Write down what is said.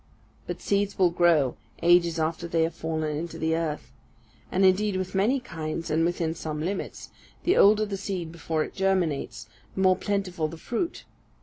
But seeds will grow ages after they have fallen into the earth; and, indeed, with many kinds, and within some limits, the older the seed before it germinates, the more plentiful the fruit.